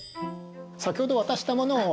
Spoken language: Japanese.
先ほど渡したものを。